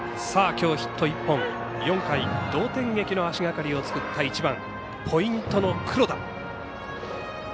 きょうヒット１本４回同点劇の足がかりを作った１番、ポイントの黒田。